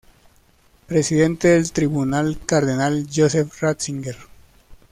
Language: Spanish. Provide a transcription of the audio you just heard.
Presidente del tribunal: Cardenal Joseph Ratzinger.